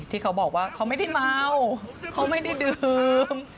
ที่เขาบอกว่าเขาไม่ได้เมาเขาไม่ได้ดื่ม